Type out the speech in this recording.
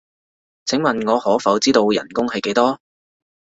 請問我可否知道人工係幾多？